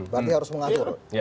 berarti harus mengatur